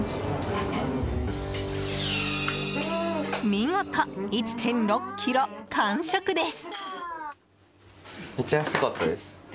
見事、１．６ｋｇ完食です。